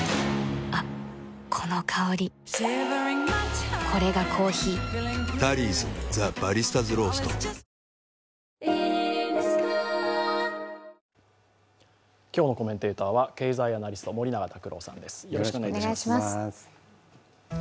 今日のコメンテーターと経済アナリスト、森永卓郎さんです。